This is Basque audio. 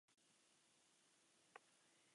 Arratsaldean, etxean izan da.